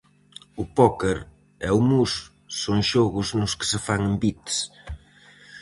O póker e o mus son xogos nos que se fan envites.